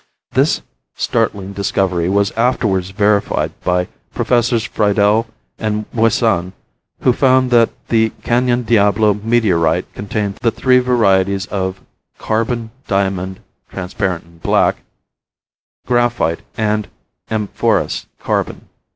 This startling discovery was afterwards verified by Professors Friedel and Moissan, who found that the Canyon Diablo Meteorite contained the three varieties of carbon diamond (transparent and black), graphite and amorphous carbon.